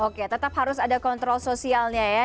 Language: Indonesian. oke tetap harus ada kontrol sosialnya ya